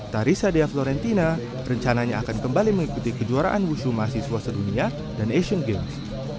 tarisa deavlorentina rencananya akan kembali mengikuti kejuaraan wushu mahasiswa sedunia dan asian games